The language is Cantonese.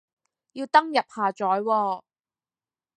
要登入下載喎